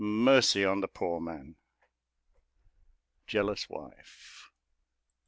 Mercy on the poor man! "Jealous Wife."